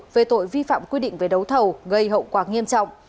về tội vi phạm quy định về đấu thầu gây hậu quả nghiêm trọng